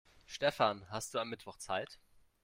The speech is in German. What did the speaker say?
Stefan, hast du am Mittwoch Zeit?